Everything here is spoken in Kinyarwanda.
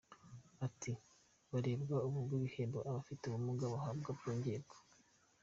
Ati “Barebwa uburyo igihembo abafite ubumuga bahabwa cyongerwa.